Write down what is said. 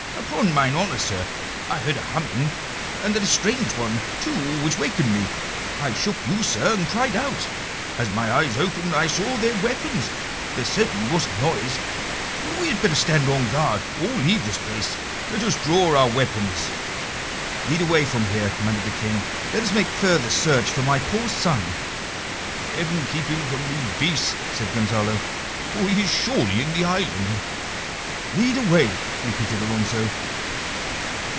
"Upon mine honour, sir, I heard a humming, and that a strange one, too, which wakened me. I shook you, sir, and cried out. As my eyes opened I saw their weapons. There certainly was a noise. We had better stand on guard, or leave this place. Let us draw our weapons." "Lead away from here," commanded the King. "Let us make further search for my poor son." "Heaven keep him from these beasts!" said Gonzalo. "For he is surely in the island." "Lead away," repeated Alonso.